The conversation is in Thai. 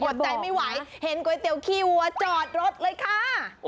ใจไม่ไหวเห็นก๋วยเตี๋ยคีวัวจอดรถเลยค่ะ